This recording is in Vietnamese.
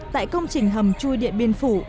tại công trình hầm chui điện biên phủ